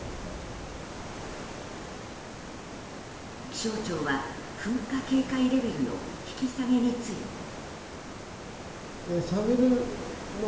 気象庁は噴火警戒レベルの引き下げについて。